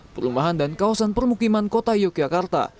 perumahan dan kawasan permukiman kota yogyakarta